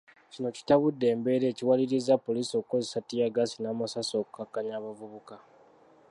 Kino kitabudde embeera ekiwalirizza poliisi okukozesa ttiyaggaasi n’amasasi okukakkaanya abavubuka.